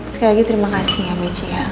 sekali lagi terima kasih ya mici ya